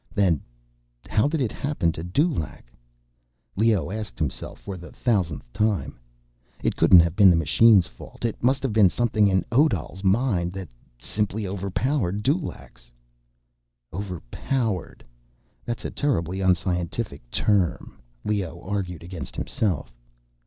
Then how did it happen to Dulaq? Leoh asked himself for the thousandth time. It couldn't have been the machine's fault; it must have been something in Odal's mind that simply overpowered Dulaq's. "Overpowered?" That's a terribly unscientific term, Leoh argued against himself.